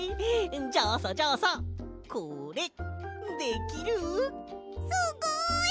じゃあさじゃあさこれできる？すごい！